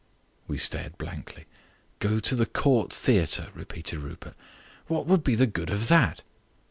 We stared blankly. "Go to the Court Theatre?" repeated Rupert. "What would be the good of that?"